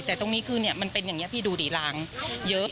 แต่ตรงนี้คือมันเป็นอย่างนี้พี่ดูดิรางเยอะ